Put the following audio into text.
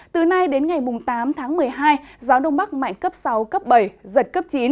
từ nay đến ngày tám tháng một mươi hai gió đông bắc mạnh cấp sáu cấp bảy giật cấp chín